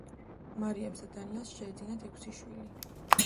მარიამს და დანიელს შეეძინათ ექვს შვილი.